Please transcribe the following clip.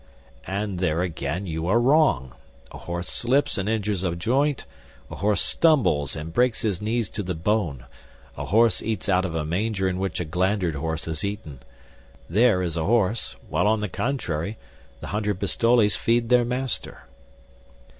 "And there again you are wrong. A horse slips and injures a joint; a horse stumbles and breaks his knees to the bone; a horse eats out of a manger in which a glandered horse has eaten. There is a horse, while on the contrary, the hundred pistoles feed their master."